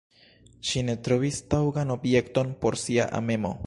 Ŝi ne trovis taŭgan objekton por sia amemo.